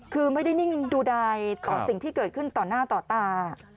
คือไม่ได้นิ่งดูใดต่อสิ่งที่เกิดขึ้นต่อหน้าต่อตา